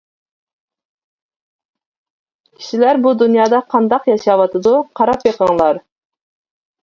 كىشىلەر بۇ دۇنيادا قانداق ياشاۋاتىدۇ، قاراپ بېقىڭلار.